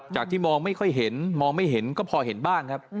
ที่มองไม่ค่อยเห็นมองไม่เห็นก็พอเห็นบ้างครับ